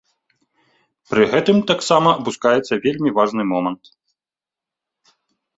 Пры гэтым таксама апускаецца вельмі важны момант.